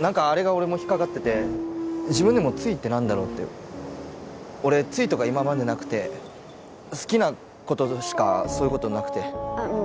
何かあれが俺も引っかかってて自分でもついって何だろうって俺ついとか今までなくて好きな子ととしかそういうことなくてあっうん